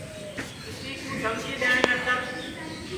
کسی کُو دھمکی دؔیٹؔے نتر